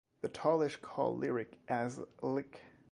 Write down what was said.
The Talysh call Lerik as "Lik".